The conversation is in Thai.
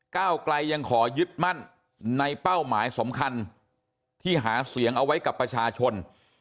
ก้าวไกลยังขอยึดมั่นในเป้าหมายสำคัญที่หาเสียงเอาไว้กับประชาชน